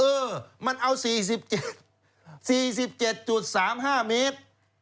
เออมันเอา๔๗๔๗๓๕เมตร